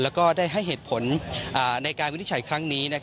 แล้วก็ได้ให้เหตุผลในการวินิจฉัยครั้งนี้